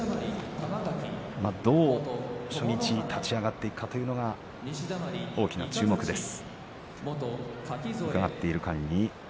どうやって初日立ち上がっていくかということが大きな注目です。